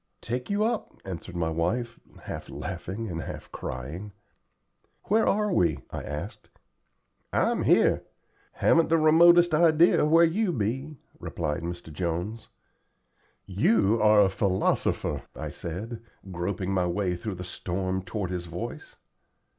"Take you up," answered my wife, half laughing and half crying. "Where are we?" I asked. "I'm here. Haven't the remotest idea where you be," replied Mr. Jones. "You are a philosopher," I said, groping my way through the storm toward his voice.